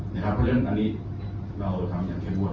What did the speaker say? เพราะเรื่องอันนี้เราทำอย่างแค่ว่นครับ